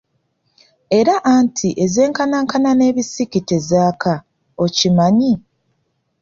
Era anti ezenkanankana n'ebisiki tezaaka, okimanyi?